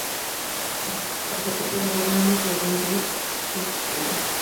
Cladograma según Xu "et al.